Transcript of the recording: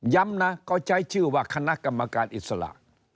ย้ำนะก็ใช้ชื่อว่าคณะกรรมการอิสระ